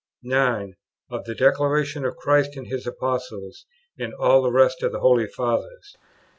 9. Of the declaration of Christ and His Apostles and all the rest of the Holy Fathers.